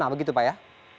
nah begitu pak ya